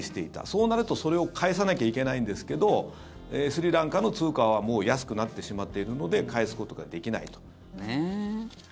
そうなると、それを返さなきゃいけないんですけどスリランカの通貨はもう安くなってしまっているので返すことができないと。